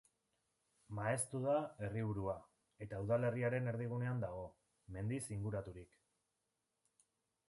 Maeztu da herriburua, eta udalerriaren erdigunean dago, mendiz inguraturik.